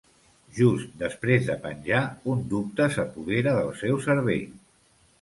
Just després de penjar, un dubte s'apodera del seu cervell.